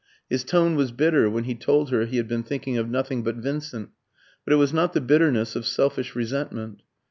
His tone was bitter when he told her he had been thinking of nothing but Vincent; but it was not the bitterness of selfish resentment.